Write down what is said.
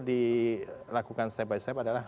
dilakukan step by step adalah